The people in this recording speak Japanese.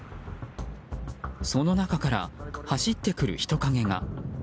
その中から、走ってくる人影が。